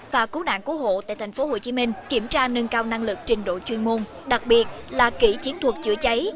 và cứu nạn cứu hộ tại tp hcm kiểm tra nâng cao năng lực trình độ chuyên môn đặc biệt là kỹ chiến thuật chữa cháy